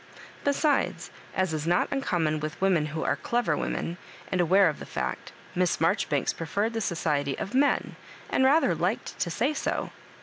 Besides, as is not uncommon with women who are clever women, and aware of the fad^ Miss Marjoribanks preferred the society of men, and rather liked to say so.